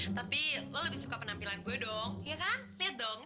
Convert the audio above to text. tapi lebih suka penampilan gue dong ya kan